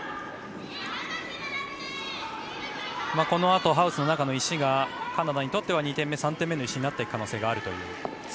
このあとハウスの中の石がカナダにとっては２点目、３点目の石になっていく可能性があるという。